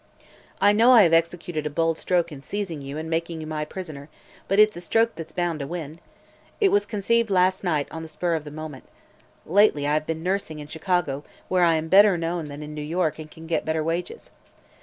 I know I have executed a bold stroke in seizing you and making you my prisoner, but it's a stroke that's bound to win. It was conceived last night, on the spur of the moment. Lately I have been nursing in Chicago, where I am better known than in New York and can get better wages.